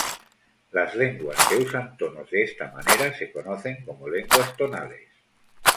Las lenguas que usan tonos de esta manera se conocen como lenguas tonales.